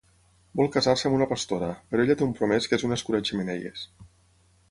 Vol casar-se amb una pastora, però ella té un promès que és un escura-xemeneies.